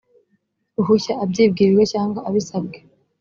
ruhushya abyibwirije cyangwa abisabwe